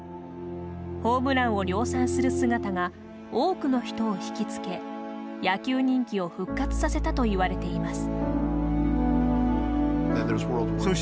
ホームランを量産する姿が多くの人を引き付け野球人気を復活させたといわれています。